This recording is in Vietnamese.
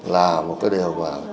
là một cái điều mà